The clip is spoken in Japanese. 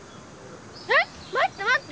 えっ⁉まってまって！